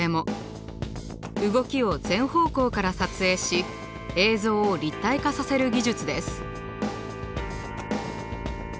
動きを全方向から撮影し映像を立体化させる技術です。